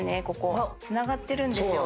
つながってるんですよ。